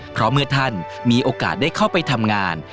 เพราะเมื่อท่านมีโอกาสได้เข้าไปทำงาน